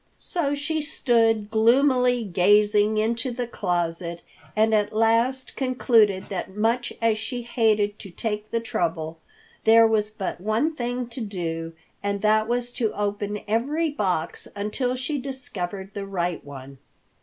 So she stood gloomily gazing into the closet and at last concluded that much as she hated to take the trouble, there was but one thing to do and that was to open every box until she discovered the right one.